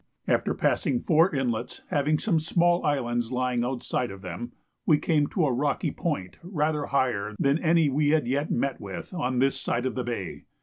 After passing four inlets having some small islands lying outside of them, we came to a rocky point rather higher than any we had yet met with on this side of the bay.